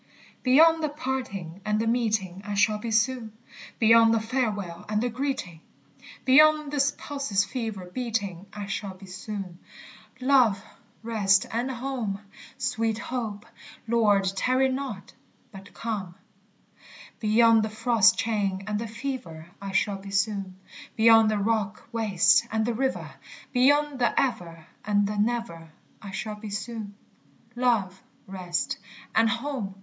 Beyond the parting and the meeting I shall be soon; Beyond the farewell and the greeting, Beyond this pulse's fever beating, I shall be soon. Love, rest, and home! etc. Beyond the frost chain and the fever I shall be soon; Beyond the rock waste and the river, Beyond the ever and the never, I shall be soon. _Love, rest, and home!